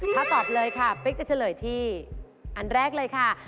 ถ้าตอบเลยค่ะเป๊กจะเฉลยที่อันแรกเลยค่ะ